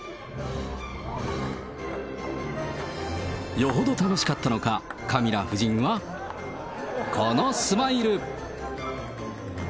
よほど楽しかったのか、カミラ夫人はこのスマイル。